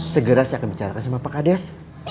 segera saya akan bicarakan sama pak kades